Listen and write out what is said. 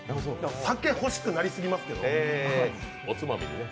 酒欲しくなりすぎますけど。